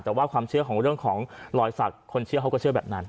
แต่ว่าความเชื่อของเรื่องของรอยสักคนเชื่อเขาก็เชื่อแบบนั้น